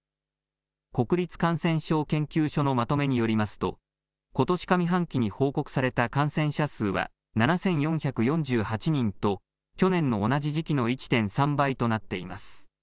国立感染症研究所のまとめによりますと、ことし上半期に報告された感染者数は７４４８人と、去年の同じ時期の１．３倍となっています。